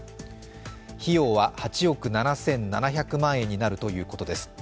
費用は８億７７００万円になるということです。